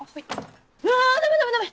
あダメダメダメ！